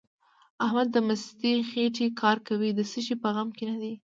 احمد د مستې خېټې کار کوي؛ د څه شي په غم کې نه دی.